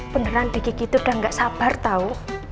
beneran dikiki itu udah gak sabar tau